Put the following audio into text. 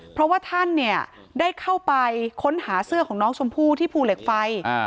เพราะว่าท่านเนี่ยได้เข้าไปค้นหาเสื้อของน้องชมพู่ที่ภูเหล็กไฟ